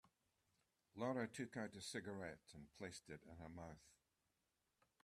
Laura took out a cigarette and placed it in her mouth.